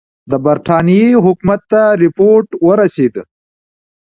د برټانیې حکومت ته رپوټ ورسېد.